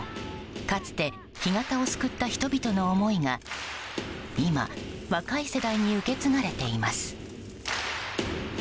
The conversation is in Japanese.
かつて干潟を救った人々の思いが今、若い世代に受け継がれています。